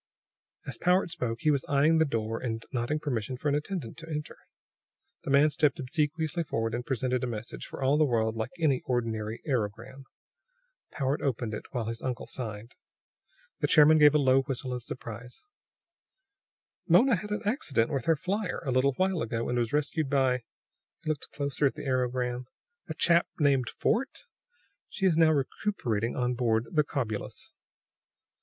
As Powart spoke, he was eyeing the door and nodding permission for an attendant to enter. The man stepped obsequiously forward and presented a message, for all the world like any ordinary aerogram. Powart opened it while his uncle signed. The chairman gave a low whistle of surprise. "Mona had an accident with her flier, a little while ago, and was rescued by " he looked closer at the aerogram "a chap named Fort. She is now recuperating on board the Cobulus."